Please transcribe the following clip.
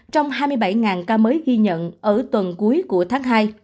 trong hai mươi bảy ca mới ghi nhận ở tuần cuối của tháng hai